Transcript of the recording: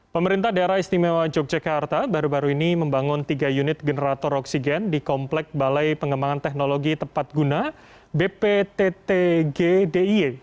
pemerintah daerah istimewa yogyakarta baru baru ini membangun tiga unit generator oksigen di komplek balai pengembangan teknologi tepat guna bpttgdiy